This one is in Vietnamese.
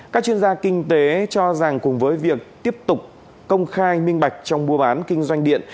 các chuyên gia kinh tế cho rằng cùng với việc tiếp tục công khai minh bạch trong mua bán kinh doanh điện